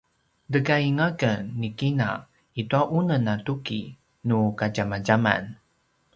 tegain aken ni kina i tua unem a tuki nu kadjamadjaman